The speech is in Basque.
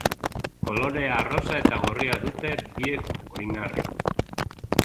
Kolore arrosa eta gorria dute biek oinarri.